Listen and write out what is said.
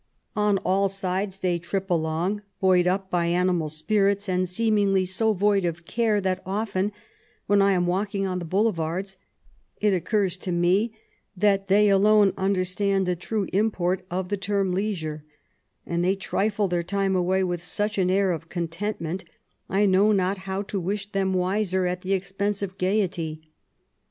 On all sides they trip along, buoyed np by animal spirits, and seemingly so yoid of care that often, when I am walking on the Bonle yards, it ocours to me that they alone understand the full import of the term leisure ; and they trifle their time away with such an air of con tentment, I know not how to wish them wiser at the expense of gaiety.